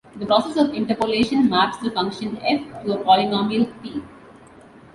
The process of interpolation maps the function "f" to a polynomial "p".